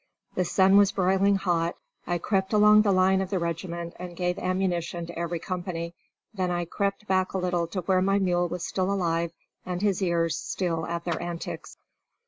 The sun was broiling hot. I crept along the line of the regiment and gave ammunition to every company; then I crept back a little to where my mule was still alive and his ears still at their antics.